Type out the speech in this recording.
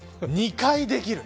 ２回できる。